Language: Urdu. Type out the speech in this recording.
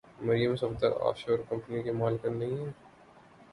مریم صفدر آف شور کمپنیوں کی مالکن نہیں ہیں؟